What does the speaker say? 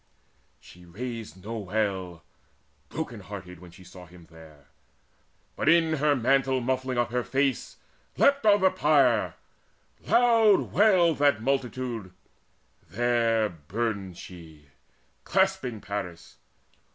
She raised no wail, The broken hearted, when she saw him there, But, in her mantle muffling up her face, Leapt on the pyre: loud wailed that multitude. There burned she, clasping Paris.